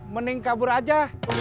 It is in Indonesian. mending kabur aja